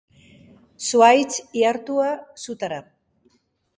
Zuhaitz ihartua, sutara.